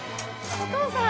お父さん？